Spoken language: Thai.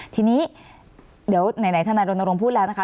ทีนี้เดี๋ยวไหนทนายรณรงค์พูดแล้วนะคะ